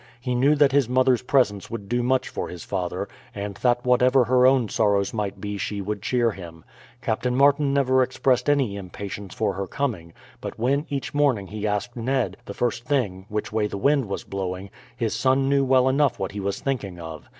He knew that his mother's presence would do much for his father, and that whatever her own sorrows might be she would cheer him. Captain Martin never expressed any impatience for her coming; but when each morning he asked Ned, the first thing, which way the wind was blowing, his son knew well enough what he was thinking of.